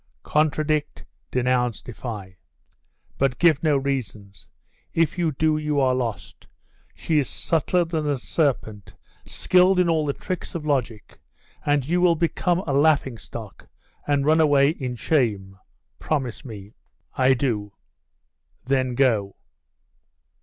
'Contradict, denounce, defy. But give no reasons. If you do, you are lost. She is subtler than the serpent, skilled in all the tricks of logic, and you will become a laughing stock, and run away in shame. Promise me.' 'I do.' 'Then go.